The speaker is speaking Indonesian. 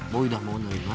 boy udah mau nerima